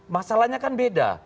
masalahnya kan beda